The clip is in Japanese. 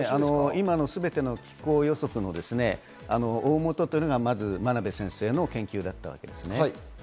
今の全ての気候予測の大元は真鍋先生の研究だったわけですね。